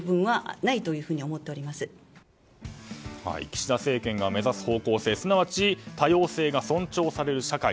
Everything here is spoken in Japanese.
岸田政権が目指す方向性すなわち多様性が尊重される社会。